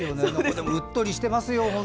でも、うっとりしてますよ。